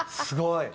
すごい！